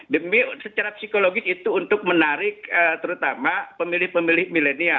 demi secara psikologis itu untuk menarik terutama pemilih pemilih milenial